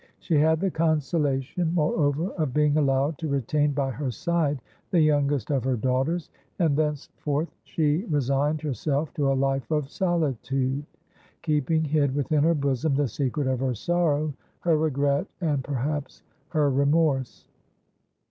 She had the consolation, moreover, of being allowed to retain by her side the youngest of her daughters, and thenceforth she resigned herself to a life of solitude, keeping hid within her bosom the secret of her sorrow, her regret, and, perhaps, her remorse.